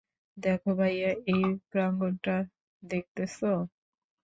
দেখো ভাইয়া, এই প্রাঙ্গনটা দেখতেছো?